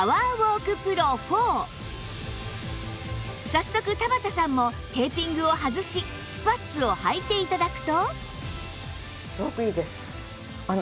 早速田畑さんもテーピングを外しスパッツをはいて頂くと